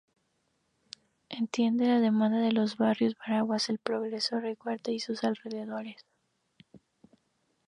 Atiende la demanda de los barrios Veraguas, El Progreso, Ricaurte y sus alrededores.